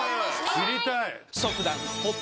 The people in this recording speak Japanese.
知りたい！